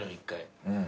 １回。